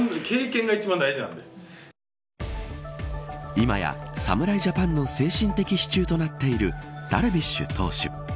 今や侍ジャパンの精神的支柱となっているダルビッシュ投手。